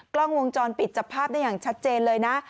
กล้องวงจรปิดจับภาพได้อย่างชัดเจนเลยนะ